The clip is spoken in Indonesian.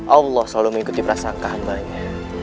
allah selalu mengikuti prasangka hambanya